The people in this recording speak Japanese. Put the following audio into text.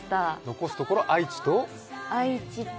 残すところ愛知と？